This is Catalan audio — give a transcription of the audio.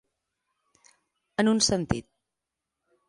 En un sentit.